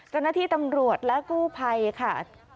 เจ้าหน้าที่ตำรวจและกู้ภัยค่ะ